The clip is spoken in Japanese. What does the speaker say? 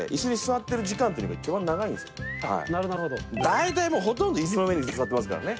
大体ほとんどイスの上に座ってますから。